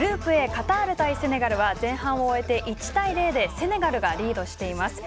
カタール対セネガルは前半を終えて１対０でセネガルがリードしています。